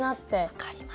わかります。